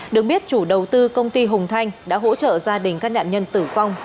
được biết chủ đầu tư công ty hùng thanh đã hỗ trợ gia đình các nạn nhân tử vong